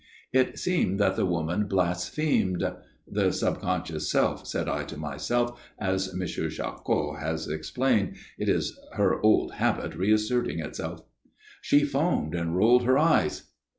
" It seemed that the woman blasphemed. (The subconscious self, said I to myself, as M. Charcot has explained. It is her old habit reasserting itself.) " She foamed and rolled her eyes.